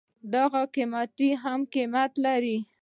دغه قيمت هم قيمت لري.